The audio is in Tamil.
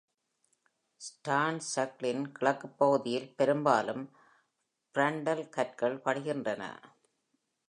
ஸ்டோன் சர்க்கிளின் கிழக்குப் பகுதியில் பெரும்பாலும் பிரான்ட்டல் கற்கள் படிகின்றன.